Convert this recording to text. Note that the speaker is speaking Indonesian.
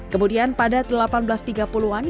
kemudian pada seribu delapan ratus tiga puluh an